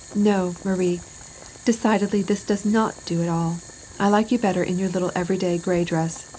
" No, Marie, decidedly, this does not do at all. I like you better in your little, everyday, gray dress.